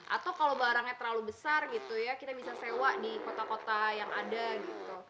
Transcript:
atau kalau barangnya terlalu besar gitu ya kita bisa sewa di kota kota yang ada gitu